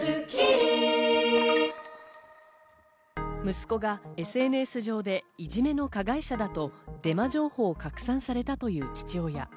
息子がＳＮＳ上でいじめの加害者だとデマ情報を拡散されたという父親。